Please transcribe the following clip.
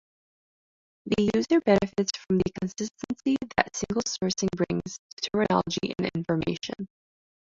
The user benefits from the consistency that single-sourcing brings to terminology and information.